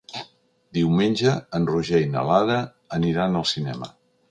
Diumenge en Roger i na Lara aniran al cinema.